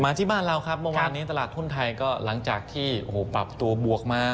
ที่บ้านเราครับเมื่อวานนี้ตลาดหุ้นไทยก็หลังจากที่โอ้โหปรับตัวบวกมา